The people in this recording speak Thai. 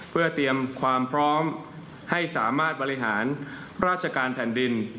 เพื่อเตรียมความพร้อมให้สามารถบริหารราชการแผ่นดิน